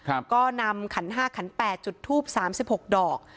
ก็นำขันห้าขันแปดจุดทูปสามสิบหกดอก